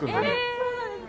ええそうなんですか。